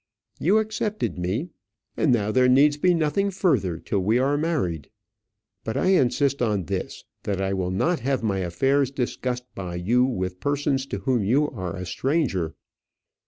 You accepted me, and now there needs be nothing further till we are married. But I insist on this, that I will not have my affairs discussed by you with persons to whom you are a stranger.